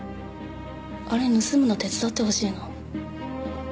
あれ盗むの手伝ってほしいの。